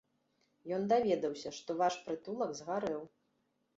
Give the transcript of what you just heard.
Ён даведаўся, што ваш прытулак згарэў.